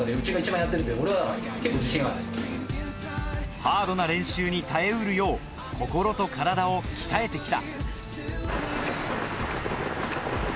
ハードな練習に耐えうるよう、心と体を鍛えてきた。